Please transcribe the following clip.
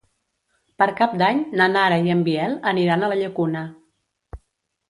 Per Cap d'Any na Nara i en Biel aniran a la Llacuna.